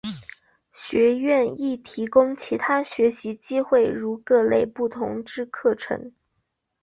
学院亦提供其他学习机会如各类不同之课程。